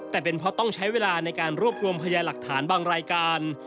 แต่เป็นเพราะต้องใช้เวลาในการรวบรวมพยาหลักฐานบางรายการ